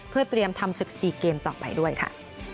เพื่อเตรียมทำศึก๔เกมต่อไปด้วยค่ะ